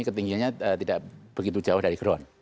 ketinggiannya tidak begitu jauh dari ground